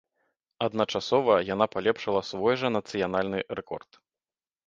Адначасова яна палепшыла свой жа нацыянальны рэкорд.